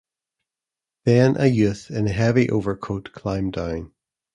Then a youth in a heavy overcoat climbed down.